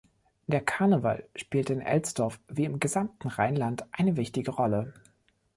Der Karneval spielt in Elsdorf wie im gesamten Rheinland eine wichtige Rolle.